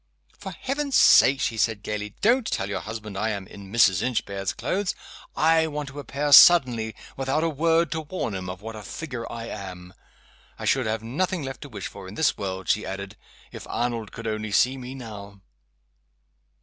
"For heaven's sake," she said, gayly, "don't tell your husband I am in Mrs. Inchbare's clothes! I want to appear suddenly, without a word to warn him of what a figure I am! I should have nothing left to wish for in this world," she added, "if Arnold could only see me now!"